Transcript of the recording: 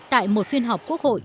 tại một phiên họp quốc hội